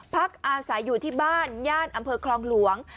พักอาศัยอยู่ที่บ้านย่านอำเภอคลองหลวง